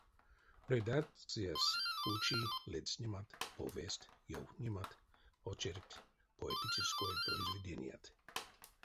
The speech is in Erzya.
Редакциясь учи ледстнемат, повестть, евтнемат, очеркть, поэтической произведеният.